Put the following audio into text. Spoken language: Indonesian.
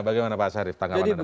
bagaimana pak syarif tanggalannya apa